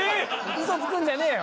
ウソつくんじゃねえよ。